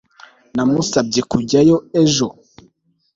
Namusabye kujyayo ejo